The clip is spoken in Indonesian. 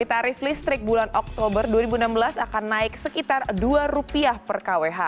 tarif listrik bulan oktober dua ribu enam belas akan naik sekitar rp dua per kwh